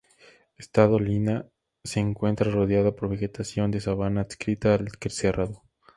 Esta dolina se encuentra rodeada por vegetación de sabana adscrita al cerrado.